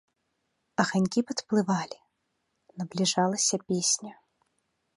Аганькі падплывалі, набліжалася песня.